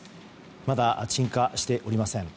まだ鎮火しておりません。